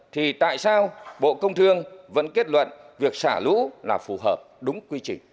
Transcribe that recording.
thì tại sao bộ công thương vẫn kết luận việc xả lũ là phù hợp đúng quy trình